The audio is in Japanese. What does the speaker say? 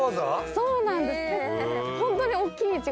そうなんです！